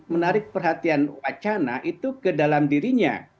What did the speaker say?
menarik perhatian wacana itu ke dalam dirinya